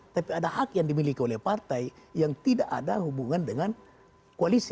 tapi ada hak yang dimiliki oleh partai yang tidak ada hubungan dengan koalisi